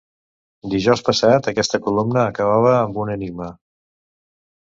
Dijous passat aquesta columna acabava amb un enigma.